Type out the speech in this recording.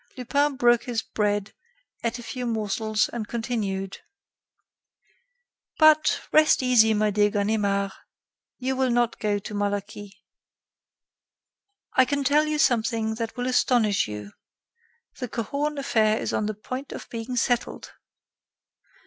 Lupin broke his bread, ate a few morsels, and continued: "But, rest easy, my dear Ganimard, you will not go to Malaquis. I can tell you something that will astonish you: the Cahorn affair is on the point of being settled."